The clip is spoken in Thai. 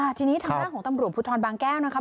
ทีนี้ทางด้านของตำรวจภูทรบางแก้วนะครับ